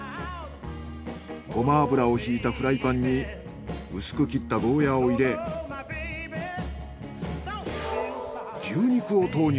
ごま油をひいたフライパンに薄く切ったゴーヤーを入れ牛肉を投入。